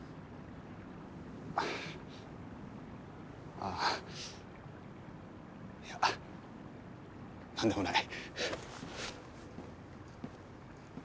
ああいや何でもない。